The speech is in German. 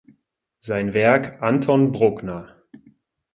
Sein Werk "Anton Bruckner.